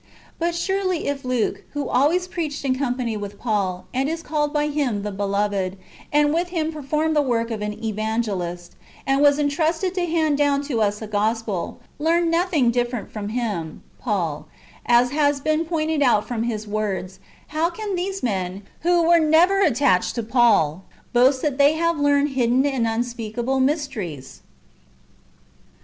"^ But surely if Luke, who always preached in company with Paul, and is called by him " the belov^ed," and with him performed the work of an evangelist, and was entrusted to hand down to us a Gospel, learned nothing different from him (Paul), as has been pointed out from his words, how can these men, who were never attached to Paul, boast that they have learned hidden and unspeakable mysteries